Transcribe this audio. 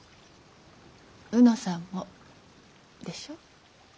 卯之さんもでしょ？